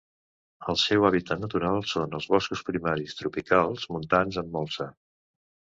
El seu hàbitat natural són els boscos primaris tropicals montans amb molsa.